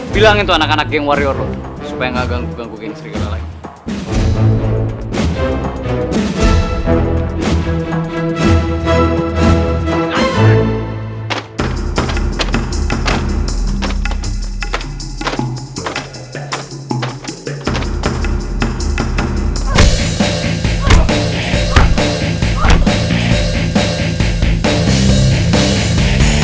bilangin ke anak anak geng wario lo supaya gak ganggu ganggu geng sirgala lain